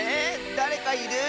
だれかいる。